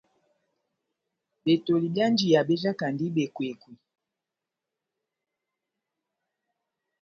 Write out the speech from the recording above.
Betoli byá njiya bejakandi bekokowɛ.